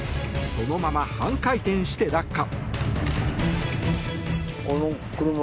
そのまま半回転して落下。